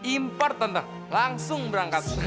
import tante langsung berangkat